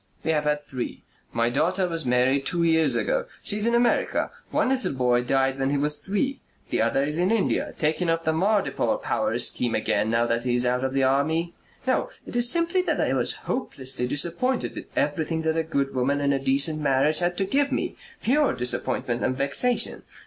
We have had three. My daughter was married two years ago. She is in America. One little boy died when he was three. The other is in India, taking up the Mardipore power scheme again now that he is out of the army.... No, it is simply that I was hopelessly disappointed with everything that a good woman and a decent marriage had to give me. Pure disappointment and vexation.